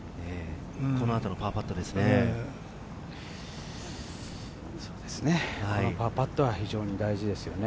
この後のパーパットですね。